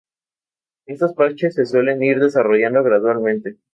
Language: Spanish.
Estos parches se suelen ir desarrollando gradualmente.